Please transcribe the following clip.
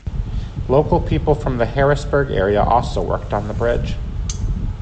Local people from the Harrisburg area also worked on the bridge.